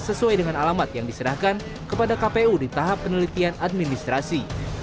sesuai dengan alamat yang diserahkan kepada kpu di tahap penelitian administrasi